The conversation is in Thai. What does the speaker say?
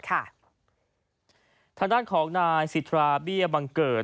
ทางด้านของนายสิทธาเบี้ยบังเกิด